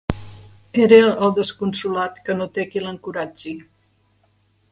Era el desconsolat que no té qui l'encoratgi